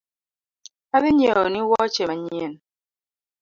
Adhi nyieoni woche manyien